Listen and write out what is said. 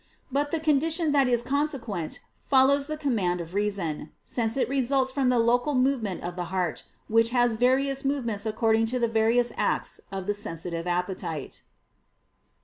But the condition that is consequent, follows the command of reason: since it results from the local movement of the heart, which has various movements according to the various acts of the sensitive appetite.